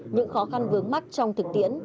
những khó khăn vướng mắt trong thực tiễn